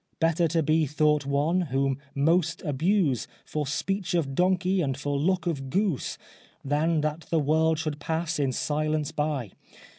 Better to be thought one, whom most abuse For speech of donkey and for look of goose, Than that the world should pass in silence by.